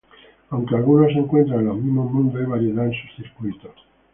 Aunque algunos se encuentran en los mismos mundos, hay variedad en sus circuitos.